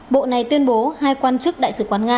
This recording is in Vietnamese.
bộ này tuyên bố hai quan chức đại sứ quán nga